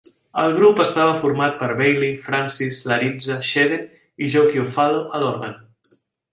El grup estava format per Bailey, Francis, Larizza, Shedden i Joe Chiofalo a l'òrgan.